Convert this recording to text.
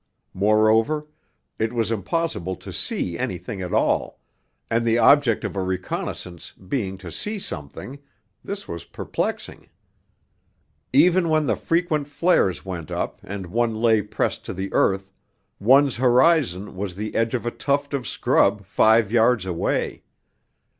Moreover, it was impossible to see anything at all, and the object of a reconnaissance being to see something, this was perplexing. Even when the frequent flares went up and one lay pressed to the earth, one's horizon was the edge of a tuft of scrub five yards away.